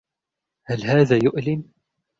هل هذا يؤلم؟